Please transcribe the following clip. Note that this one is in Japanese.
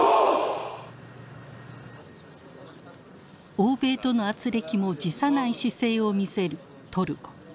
欧米とのあつれきも辞さない姿勢を見せるトルコ。